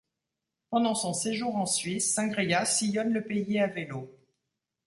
Pendant son séjour en Suisse, Cingria sillonne le pays à vélo.